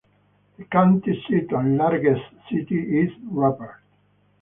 The county seat and largest city is Rupert.